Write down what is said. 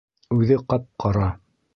Үҙе ҡап-ҡара...